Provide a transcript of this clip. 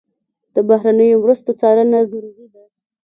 د بهرنیو مرستو څارنه ضروري ده.